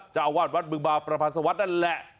เจ้าวาดวัดบึงบาประพันธ์สวรรค์นั่นแหละ